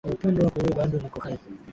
Kwa upendo wako wewe bado niko hai.